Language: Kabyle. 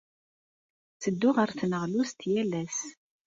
Ttedduɣ ɣer tneɣlust-nni yal ass.